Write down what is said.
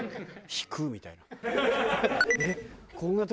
引くみたいな。